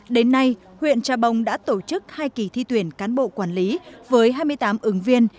đến nay huyện trà bông đã tổ chức hai kỳ thi tuyển cán bộ quản lý với hai mươi tám ứng viên